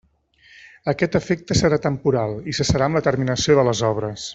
Aquest efecte serà temporal, i cessarà amb la terminació de les obres.